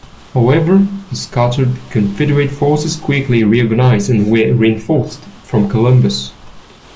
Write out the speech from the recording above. However, the scattered Confederate forces quickly reorganized and were reinforced from Columbus.